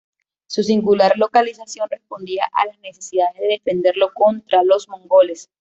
Su singular localización respondía a la necesidad de defenderlo contra los mongoles.